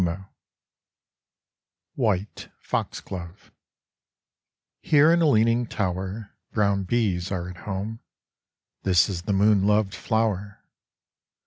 89 WHITE FOXGLOVE Here in a leaning tower Brown bees are at home. This is the moon loved flower.